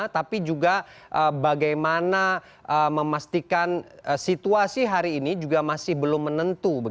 tapi juga bagaimana memastikan situasi hari ini juga masih belum menentu